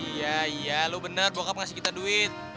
iya iya lo bener bokap ngasih kita duit